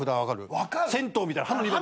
銭湯みたいな。